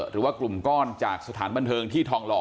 หรือว่ากลุ่มก้อนจากสถานบันเทิงที่ทองหล่อ